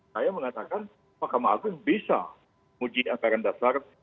saya mengatakan mahkamah agung bisa muji anggaran dasar